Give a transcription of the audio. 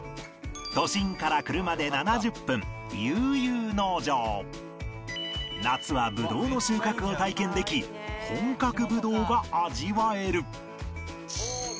都心から車で７０分夏はブドウの収穫を体験でき本格ブドウが味わえる